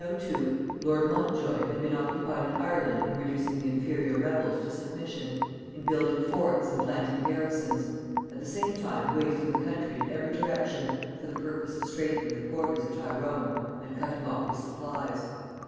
]During the campaign of 1602, lord Montjoy had been occupied in Ireland in reducing the inferior rebels to submission; in building forts and planting garrisons; at the same time wasting the country in every direction, for the purpose of straitening the quarters of Tyrone and cutting off his supplies.